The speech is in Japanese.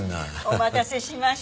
お待たせしました。